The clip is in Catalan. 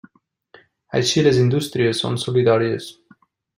Així les indústries són solidàries.